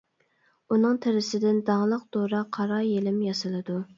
ئۇنىڭ تېرىسىدىن داڭلىق دورا قارا يېلىم ياسىلىدۇ.